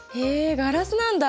ガラスなんだ。